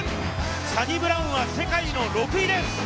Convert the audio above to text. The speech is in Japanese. サニブラウンは世界の６位です。